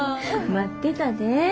待ってたで。